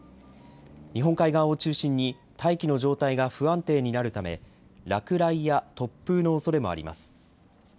日本海側を中心に大気の状態が不安定になるため落雷や突風のおそれもあります。